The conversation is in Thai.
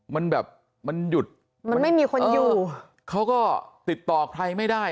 มันแบบมันหยุดมันไม่มีคนอยู่เขาก็ติดต่อใครไม่ได้